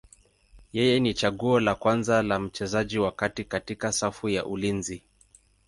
Yeye ni chaguo la kwanza la mchezaji wa kati katika safu ya ulinzi.